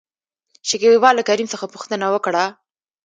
شکيبا له کريم څخه پوښتنه وکړه ؟